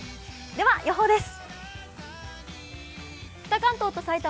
では予報です。